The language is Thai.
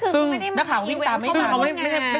จึงนักข่าวพิทธิ์ตามไม่ใช่งานรับอีเวนต์ไง